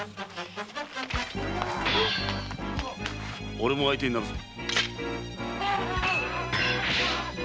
俺も相手になるぞ。